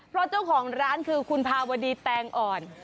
เพราะเจ้าของร้านคือคุณภาวดีแตงอ่อน